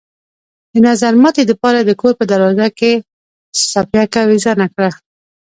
د نظرماتي د پاره د كور په دروازه کښې څپياكه اوېزانده کړه۔